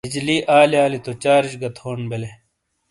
بجلی آلیالی تو چارج گہ تھون بیلے۔